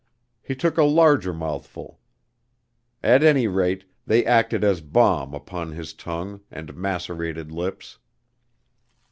He took a larger mouthful. At any rate, they acted as balm upon his tongue and macerated lips.